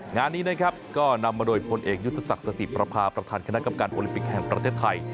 งานนี้นะครับก็นำมาโดยพลเอกยุทธศักดิ์สสิประพาประธานคณะกรรมการโอลิมปิกแห่งประเทศไทย